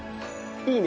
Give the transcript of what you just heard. いいね。